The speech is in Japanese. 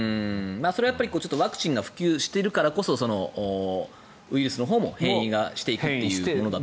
それはワクチンが普及しているからこそウイルスのほうも変異していくものだと。